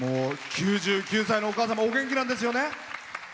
９９歳のお母様お元気なんですよね。